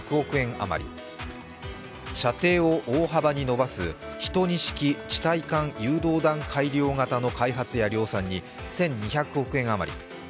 あまり射程を大幅に伸ばす１２式地対艦誘導弾改良型の開発や量産に１２００億円あまり。